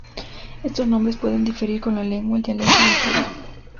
Estos nombres pueden diferir con la lengua, el dialecto y la historia.